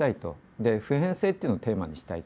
で普遍性っていうのをテーマにしたいと。